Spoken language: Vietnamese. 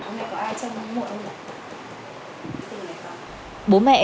bố mẹ có ai chăm mộ ông ạ